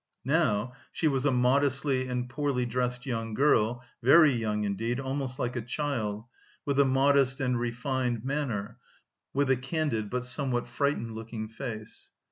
Now she was a modestly and poorly dressed young girl, very young, indeed, almost like a child, with a modest and refined manner, with a candid but somewhat frightened looking face.